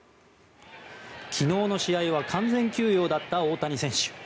昨日の試合は完全休養だった大谷選手。